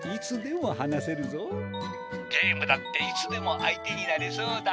「ゲームだっていつでも相手になれそうだ」。